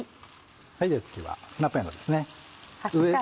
では次はスナップえんどうですね。